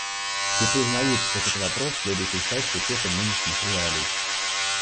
Все признают, что этот вопрос следует решать с учетом нынешних реалий.